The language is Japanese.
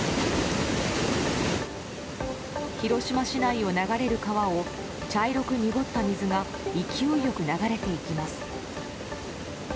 広島市内を流れる川を茶色く濁った水が勢いよく流れていきます。